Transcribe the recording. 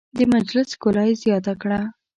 د مجلس ښکلا یې زیاته کړه.